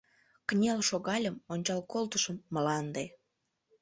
Кынел шогальым, ончал колтышым — МЛАНДЕ.